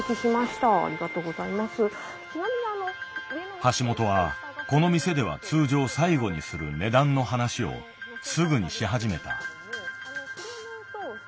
橋本はこの店では通常最後にする値段の話をすぐにし始めた。